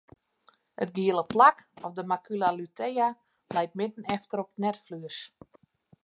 It giele plak of de macula lutea leit midden efter op it netflues.